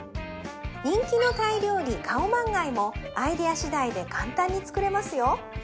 人気のタイ料理カオマンガイもアイデアしだいで簡単に作れますよ